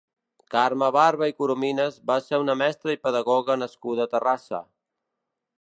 Carme Barba i Corominas va ser una mestra i pedagoga nascuda a Terrassa.